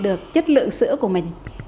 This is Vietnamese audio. được chất lượng sữa của mình